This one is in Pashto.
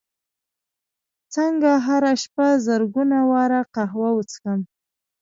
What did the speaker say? څنګه هره شپه زرګونه واره قهوه وڅښم